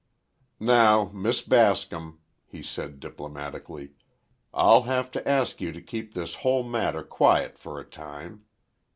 "Now, Miss Bascom," he said, diplomatically, "I'll have to ask you to keep this whole matter quiet for a time.